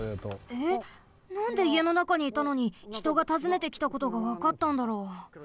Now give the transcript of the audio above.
えっなんでいえのなかにいたのにひとがたずねてきたことがわかったんだろう？